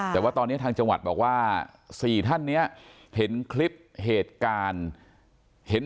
แต่ว่าตอนนี้ทางจังหวัดบอกว่า๔ท่านเนี่ยเห็นคลิปเหตุการณ์เห็น